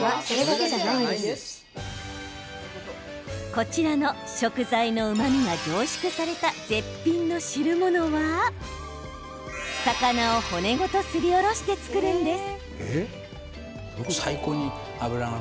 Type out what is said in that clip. こちらの食材のうまみが凝縮された絶品の汁物は魚を骨ごとすりおろして作るんです。